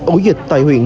ổ dịch tại huyện